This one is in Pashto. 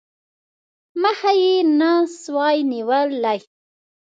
مخه یې نه سوای نیولای.